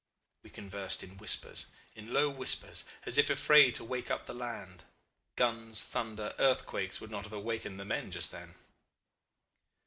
We conversed in whispers, in low whispers, as if afraid to wake up the land. Guns, thunder, earthquakes would not have awakened the men just then.